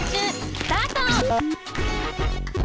スタート。